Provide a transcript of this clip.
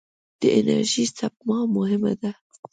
د انرژۍ سپما مهمه ده.